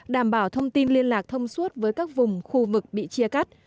đảm bảo thông tin liên lạc thông suốt với các vùng khu vực bị chia cắt